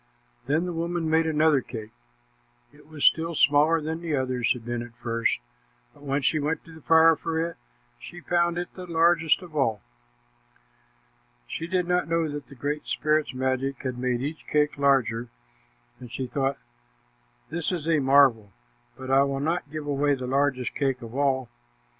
Then the woman made another cake. It was still smaller than the others had been at first, but when she went to the fire for it, she found it the largest of all. She did not know that the Great Spirit's magic had made each cake larger, and she thought, "This is a marvel, but I will not give away the largest cake of all."